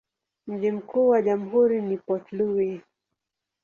Mji mkuu wa jamhuri ni Port Louis.